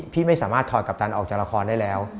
พี่ไม่สามารถถอดกัปตันออกจากละครได้แล้ว